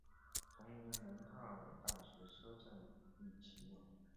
同年楠泰尔大学车站亦启用。